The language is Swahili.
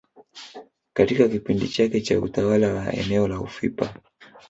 Katika kipindi chake cha utawala wa eneo la ufipa